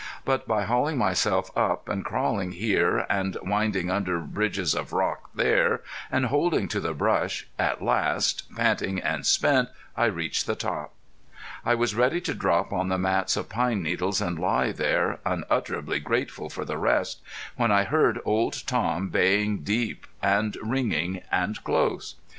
But by hauling myself up, and crawling here, and winding under bridges of rock there, and holding to the brush, at last, panting and spent, I reached the top. I was ready to drop on the mats of pine needles and lie there, unutterably grateful for rest, when I heard Old Tom baying, deep and ringing and close.